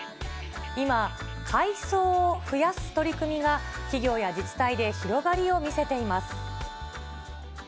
今、海草を増やす取り組みが、企業や自治体で広がりを見せています。